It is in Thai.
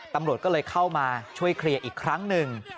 ตำรวจก็เลยเข้ามาช่วยเคลียร์อีกครั้งหนึ่ง